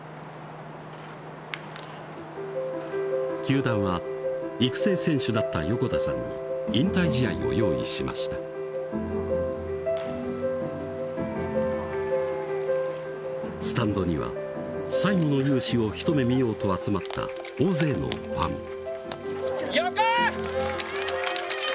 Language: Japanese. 球団は育成選手だった横田さんに引退試合を用意しましたスタンドには最後の勇姿をひと目見ようと集まった大勢のファンよこ！